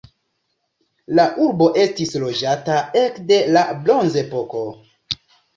La urbo estis loĝata ekde la bronzepoko.